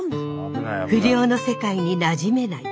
不良の世界になじめない。